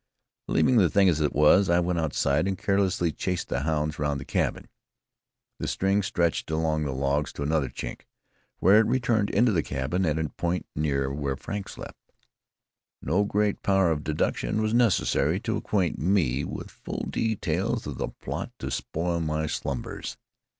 Leaving the thing as it was, I went outside and carelessly chased the hounds round the cabin. The string stretched along the logs to another chink, where it returned into the cabin at a point near where Frank slept. No great power of deduction was necessary to acquaint me with full details of the plot to spoil my slumbers.